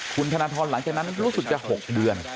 คุณธนทรหลังจากนั้นรู้สึกจะ๖เดือน